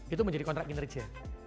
itu menjadi kontrak kinerja